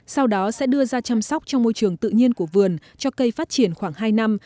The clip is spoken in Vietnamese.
sau đó sẽ đưa ra chăm sóc trong môi trường tự nhiên của vườn cho cây phát triển khoảng hai năm